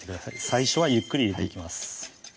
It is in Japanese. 最初はゆっくり入れていきます